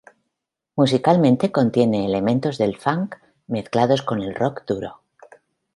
Musicalmente contiene elementos de funk mezclados con el rock duro.